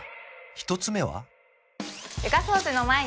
１つ目は？